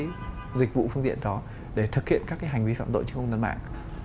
những dịch vụ phương tiện đó để thực hiện các hành vi phạm tội trên không gian mạng